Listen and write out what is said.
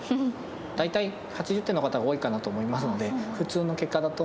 大体８０点の方が多いかなと思いますので普通の結果だと思います。